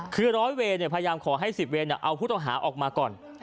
คือร้อยเวนเนี่ยพยายามขอให้สิบเวนเนี่ยเอาผู้ต่อหาออกมาก่อน